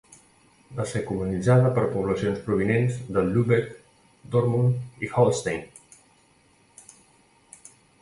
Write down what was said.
Va ser colonitzada per poblacions provinents de Lübeck, Dortmund i Holstein.